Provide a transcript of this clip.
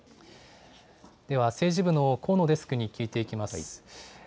では政治部の高野デスクに聞いていきます。